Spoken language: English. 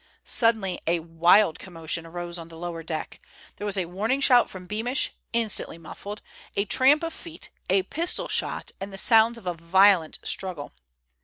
Suddenly a wild commotion arose on the lower deck. There was a warning shout from Beamish, instantly muffled, a tramp of feet, a pistol shot, and sounds of a violent struggle.